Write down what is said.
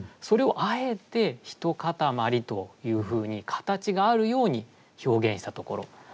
それをあえて「一かたまり」というふうに形があるように表現したところ。